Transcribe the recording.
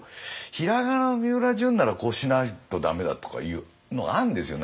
平仮名のみうらじゅんならこうしないと駄目だとかいうのがあるんですよ